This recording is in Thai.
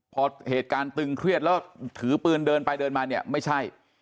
พอเหตุการณ์ตึงเครียดแล้วถือปืนเดินไปเดินมาเนี่ยไม่ใช่